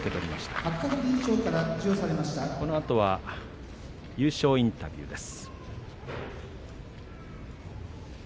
このあとは優勝インタビューです。